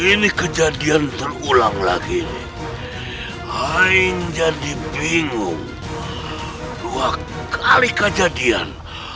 ini kejadian terulang lagi ada yang jadi bingung dua kali kejadian